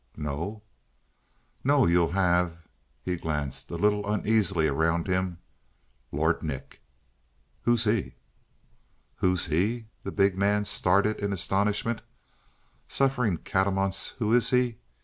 "No?" "No, you'll have" he glanced a little uneasily around him "Lord Nick." "Who's he?" "Who's he?" The big man started in astonishment. "Sufferin' catamounts! Who is he?"